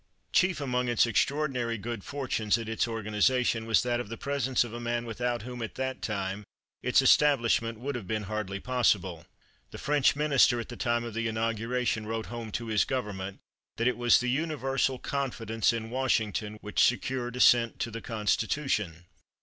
Chief among its extraordinary good fortunes at its organization was that of the presence of a man without whom at that time its establishment would have been hardly possible. The French Minister at the time of the inauguration wrote home to his government that it was the universal confidence in Washington which secured assent to the Constitution.